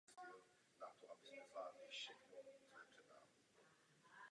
Na Kadaň táhla od Chebu.